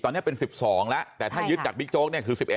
ตอนนี้เป็น๑๒แล้วแต่ถ้ายึดจากบิ๊กโจ๊กเนี่ยคือ๑๑